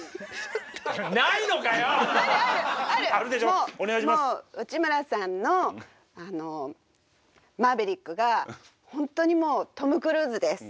もう内村さんのあのマーヴェリックが本当にもうトム・クルーズです。